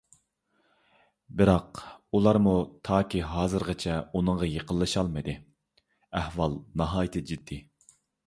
بىراق، ئۇلارمۇ تاكى ھازىرغىچە ئۇنىڭغا يېقىنلىشالمىدى. ئەھۋال ناھايىتى جىددىي.